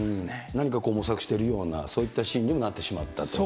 何か模索しているような、そういったシーンにもなってしまったと。